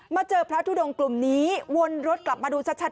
เจอพระทุดงกลุ่มนี้วนรถกลับมาดูชัด